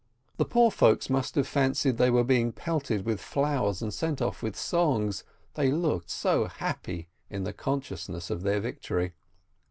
The poor folks must have fancied they were being pelted with flowers and sent off with songs, they looked so happy in the consciousness of their victory.